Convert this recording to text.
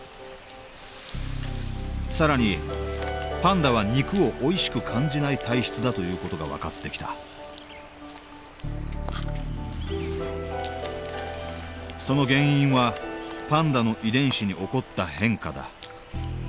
更にパンダは肉をおいしく感じない体質だという事が分かってきたその原因はパンダの遺伝子に起こった変化だ。